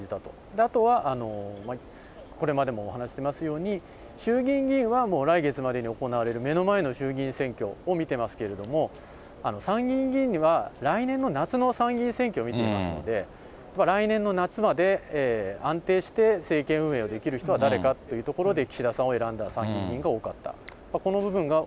あとはこれまでもお話ししていますように、衆議院議員は、もう来月までに行われる、目の前の衆議院選挙を見てますけれども、参議院議員には、来年の夏の参議院選挙を見ていますので、来年の夏まで安定して政権運営をできる人は誰かっていうところで、岸田さんを選んだ参議院議員が多かった。